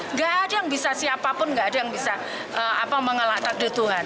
nggak ada yang bisa siapapun nggak ada yang bisa mengelak takdir tuhan